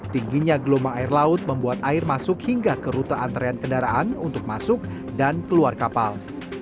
tingginya gelombang air laut membuat air masuk hingga ke rute antrean kendaraan untuk masuk dan keluar kapal